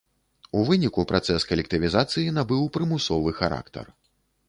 У выніку, працэс калектывізацыі набыў прымусовы характар.